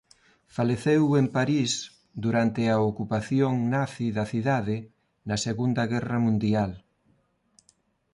Faleceu en París durante a ocupación nazi da cidade na segunda guerra mundial.